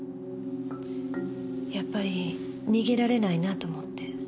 やっぱり逃げられないなと思って。